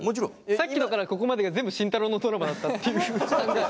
さっきのからここまでが全部慎太郎のドラマだったっていう。